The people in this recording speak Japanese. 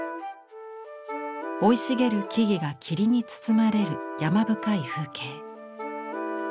生い茂る木々が霧に包まれる山深い風景。